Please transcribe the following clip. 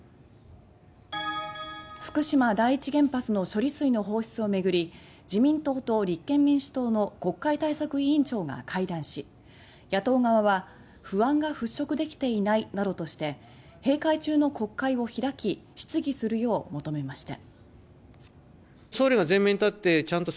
福島第一原発の処理水の放出を巡り自民党と立憲民主党の国会対策委員長が会談し野党側は、不安が払拭できていないなどとして閉会中の国会を開き質疑するよう求めました。